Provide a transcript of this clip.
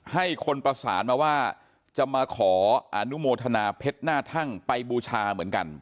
ให้คนประสานมาว่าจะมาขออนุโมทนาเพชรหน้าทั่งไปบูชาเหมือนกัน